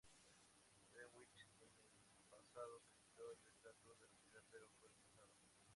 Greenwich en el pasado solicitó el estatus de ciudad, pero fue rechazado.